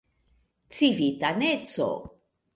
civitaneco